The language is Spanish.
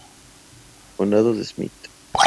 Condado de Smith